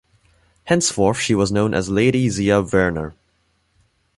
Henceforth she was known as Lady Zia Wernher.